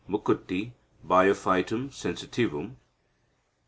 Mukutti (Biophytum sensitivum).